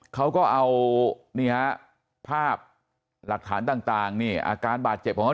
เขาก็เอานี่ฮะภาพหลักฐานต่างนี่อาการบาดเจ็บของเขา